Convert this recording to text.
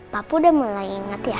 papa udah mulai inget ya